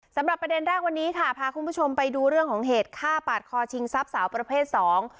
สำหรับประเด็นแรกวันนี้ค่ะพาคุณผู้ชมไปดูเรื่องของเหตุฆ่าปาดคอชิงทรัพย์สาวประเภทสอง